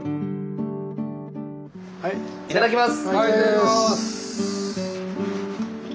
いただきます。